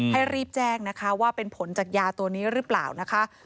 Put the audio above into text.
ให้รีบแจ้งนะคะว่าเป็นผลจากยาตัวนี้หรือเปล่านะคะ